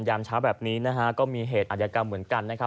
ยามเช้าแบบนี้นะฮะก็มีเหตุอัธยกรรมเหมือนกันนะครับ